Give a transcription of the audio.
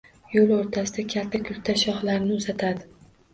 Yo’l o’rtasida kalta-kulta shoxlarini uzatadi.